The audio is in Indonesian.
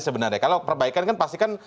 sebenarnya kalau perbaikan kan pasti kan